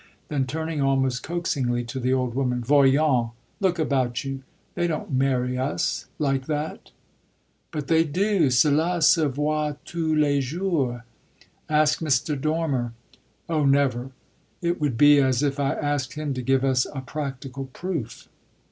Then turning almost coaxingly to the old woman: "Voyons, look about you: they don't marry us like that." "But they do cela se voit tous les jours. Ask Mr. Dormer." "Oh never! It would be as if I asked him to give us a practical proof."